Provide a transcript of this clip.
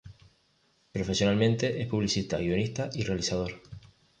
Profesionalmente es publicista, guionista y realizador.